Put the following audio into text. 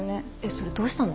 それどうしたの？